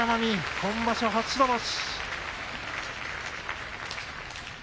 今場所初白星。